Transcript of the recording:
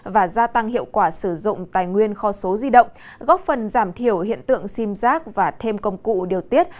và gia tăng hiệu quả sử dụng tài nguyên kho số di động góp phần giảm thiểu hiện tượng sim giác và thêm công cụ điều tiết